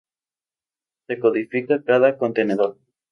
Se codifica cada contenedor.